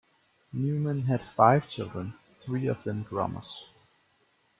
Newman has five children, three of them drummers.